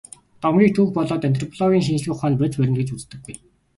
Домгийг түүх болоод антропологийн шинжлэх ухаанд бодит баримт гэж үздэггүй.